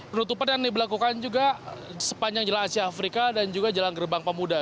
penutupan yang diberlakukan juga sepanjang jalan asia afrika dan juga jalan gerbang pemuda